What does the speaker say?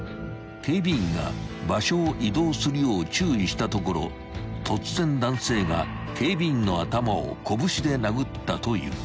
［警備員が場所を移動するよう注意したところ突然男性が警備員の頭を拳で殴ったという］